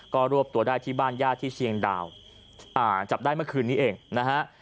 ก็รวบตัวได้ที่บ้านญาติที่เชียงดาวจับได้เมื่อคืนนี้เองนะฮะ